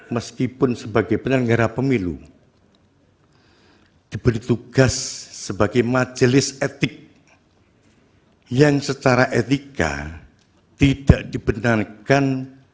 meskipun sebagai penyelenggara pemilu diberi tugas sebagai majelis etik yang secara etika tidak dibenarkan